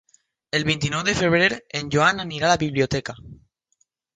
El vint-i-nou de febrer en Joan anirà a la biblioteca.